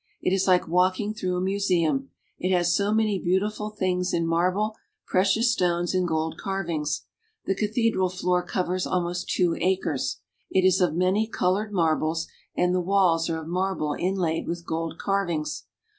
It is like walking through a museum, it has so many beautiful things in marble, precious stones, and gold carvings. The cathedral floor covers almost two acres. It is of many colored marbles, and the walls are of marble inlaid with gold carvings.